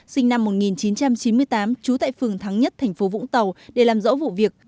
sinh năm một nghìn chín trăm chín mươi tám trú tại phường thắng nhất thành phố vũng tàu để làm rõ vụ việc